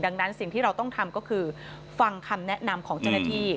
ดังนั้นสิ่งที่เราต้องทำก็คือฟังคำแนะนำของเจ้าหน้าที่